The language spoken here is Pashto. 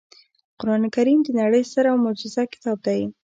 قرانکریم د نړۍ ستر او معجز کتاب دی